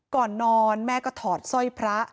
ก่อนนอนแม่ก็ถอดสร้อยพระ